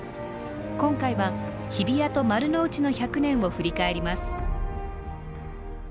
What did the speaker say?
今回は日比谷と丸の内の１００年を振り返ります。